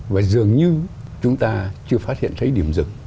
và dường như chúng ta chưa phát hiện thấy điểm rừng